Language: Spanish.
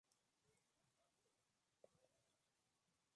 Los otros dioses asociados fueron identificados con Venus y Baco.